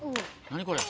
何これ。